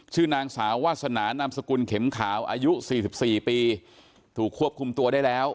ชื่อนางสาววาสนานามสกุลเข็มขาวอายุ๔๔ปีถูกควบคุมตัวได้แล้ว